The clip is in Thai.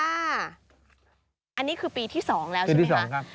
อันนี้คือปีที่๒แล้วใช่ไหมคะ